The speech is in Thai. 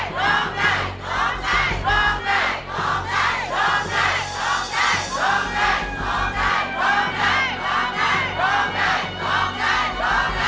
เพลงที่๔มูลค่า๖๐๐๐๐บาท